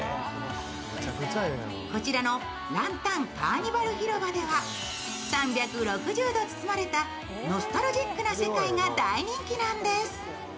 こちらのランタンカーニバル広場では３６０度包まれてノスタルジックな世界が大人気なんです。